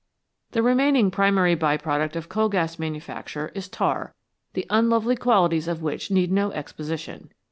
The remaining primary by product of coal gas manu facture is tar, the unlovely qualities of which need no exposition.